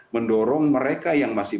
mendorong mereka yang masih